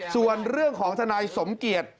ส่วนเรื่องของทนายสมเกียจ